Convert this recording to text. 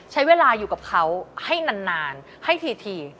ใช้เวลาอยู่กับเขาให้นานให้ที